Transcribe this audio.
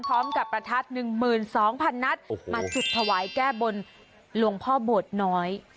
พร้อมกับประทัศน์๑๒๐๐๐พันนัดมาจุดถวายแก้บนลวงพ่อโบดน้อย